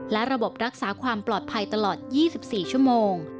และระบบรักษาความปลอดภัยตลอด๒๔ชั่วโมง